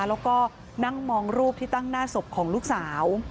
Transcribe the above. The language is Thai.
แล้วก็นั่งมองรูปที่ตั้งหน้าศพของลูกสาว